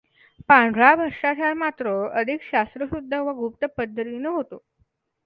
पांढरा भ्रष्टाचार मात्र अधिक शास्त्रशुध्द व गुप्त पध्दतीने होतो.